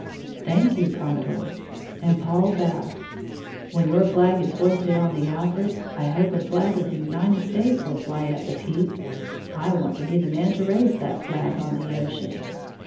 "Thank you, Commodore," and Paul bowed, "when your flag is hoisted on the Alfred, I hope a flag of the United Colonies will fly at the peak. I want to be the man to raise that flag on the ocean."